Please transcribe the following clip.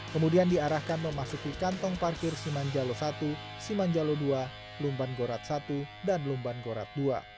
kemudian diarahkan memasuki kantong parkir simanjalo satu simanjalo dua lumban gorat satu dan lumban gorat dua